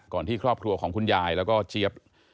ที่ครอบครัวของคุณยายแล้วก็เจี๊ยบ